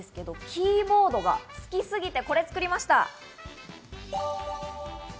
キーボードが好きすぎて、これ作りました。